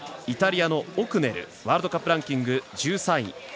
イタリアのオクネルワールドカップランキング１３位。